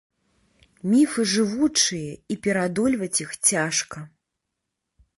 Міфы жывучыя і пераадольваць іх цяжка.